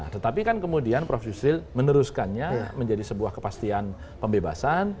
tetapi kan kemudian prof yusril meneruskannya menjadi sebuah kepastian pembebasan